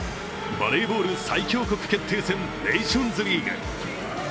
バレーボール最強国決定戦ネーションズリーグ。